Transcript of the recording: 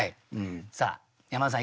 さあ山田さん